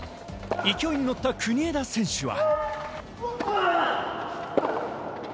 勢いにのった国枝選手は。